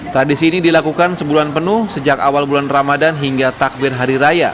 tradisi ini dilakukan sebulan penuh sejak awal bulan ramadan hingga takbir hari raya